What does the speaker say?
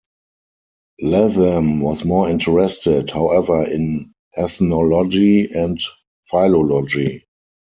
Latham was more interested, however, in ethnology and philology.